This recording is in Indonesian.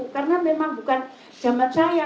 karena memang bukan zaman saya